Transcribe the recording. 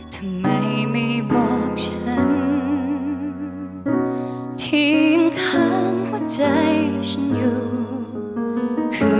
ทำไมไม่บอกฉันทิ้งข้างหัวใจที่อยู่